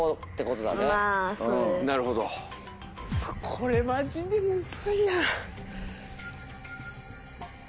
これマジでムズいやん。